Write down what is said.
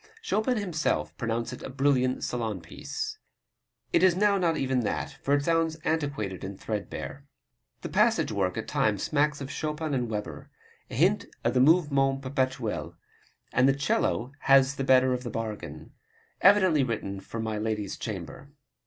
Chopin himself pronounced it a brilliant salon piece. It is now not even that, for it sounds antiquated and threadbare. The passage work at times smacks of Chopin and Weber a hint of the Mouvement Perpetuel and the 'cello has the better of the bargain. Evidently written for my lady's chamber.